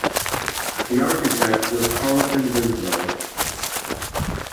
The architect was Carleton Winslow.